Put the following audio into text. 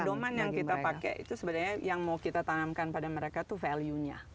pedoman yang kita pakai itu sebenarnya yang mau kita tanamkan pada mereka tuh value nya